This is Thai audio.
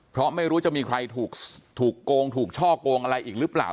เพราะไม่รู้จะมีใครถูกโกงถูกช่อโกงอะไรอีกหรือเปล่า